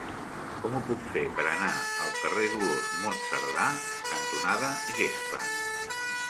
Com ho puc fer per anar al carrer Dolors Monserdà cantonada Gespa?